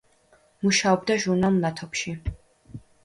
მუშაობდა ჟურნალ „მნათობში“.